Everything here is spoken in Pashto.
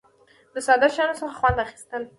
د ساده شیانو څخه خوند اخیستل.